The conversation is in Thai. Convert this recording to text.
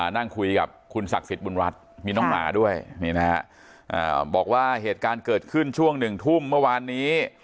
ด้วยนี่นะฮะอ่าบอกว่าเหตุการณ์เกิดขึ้นช่วงหนึ่งทุ่มเมื่อวานนี้